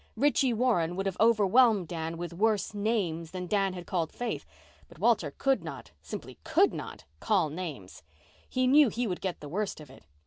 Ritchie Warren would have overwhelmed Dan with worse "names" than Dan had called Faith. But Walter could not—simply could not—"call names." He knew he would get the worst of it.